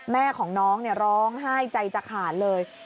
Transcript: แม่ของน้องร้องไห้ใจจะขาดเลย